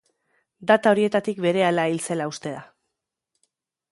Data horietatik berehala hil zela uste da.